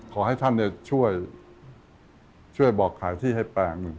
ขอให้ท่านช่วยบอกขายที่ให้แปลงหนึ่ง